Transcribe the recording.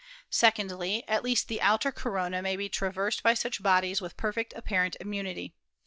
Secondly, at least the outer corona may be traversed by such bodies with perfect apparent immunity.